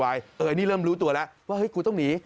อันนี้เริ่มรู้ตัวแล้วว่าเฮ้ยกูต้องหนี